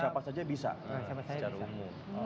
siapa saja bisa secara umum